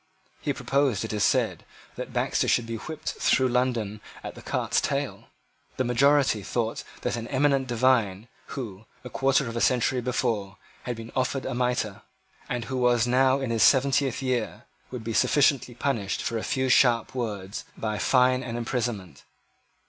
He proposed, it is said, that Baxter should be whipped through London at the cart's tail. The majority thought that an eminent divine, who, a quarter of a century before, had been offered a mitre, and who was now in his seventieth year, would be sufficiently punished for a few sharp words by fine and imprisonment.